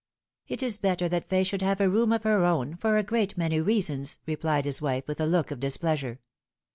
" It is better that Fay should have a room of her own, for a great many reasons," replied his wife, with a look of displeasure.